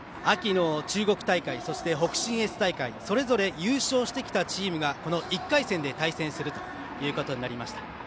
秋の中国大会、そして北信越大会それぞれ優勝してきたチームが１回戦で対戦するということになりました。